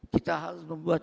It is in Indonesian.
kita harus membuat